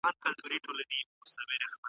قلم د پوهې وسیله ده.